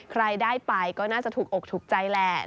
ใครได้ไปก็น่าจะถูกอกถูกใจแหละ